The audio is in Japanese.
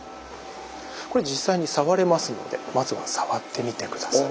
これ実際に触れますのでまずは触ってみて下さい。